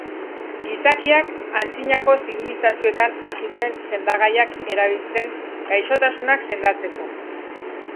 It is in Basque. Gizakiak antzinako zibilizazioetan hasi zen sendagaiak erabiltzen gaixotasunak sendatzeko.